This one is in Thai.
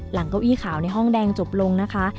เก้าอี้ขาวในห้องแดงจบลงนะคะ